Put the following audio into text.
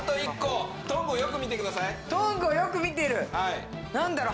トングをよく見てる。